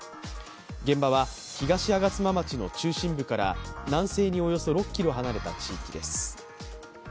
現場は東吾妻町の中心部から南西におよそ６ｋｍ離れた地域です。